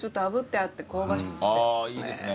あぁいいですね。